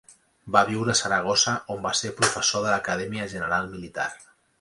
Va viure a Saragossa, on va ser professor de l'Acadèmia General Militar.